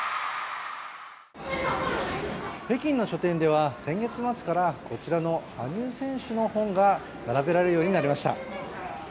北京の書店では先月末からこちらの羽生選手の本が並べられるようになりました。